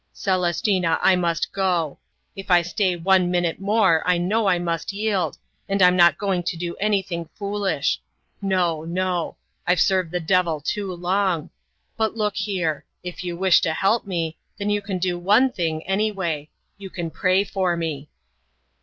"Celestina, I must go! If I stay one minute more I know I must yield, and I'm not going to do anything foolish. No! No! I've served the devil too long. But look here! If you wish to help me, then you can do one thing anyway. You can pray for me!"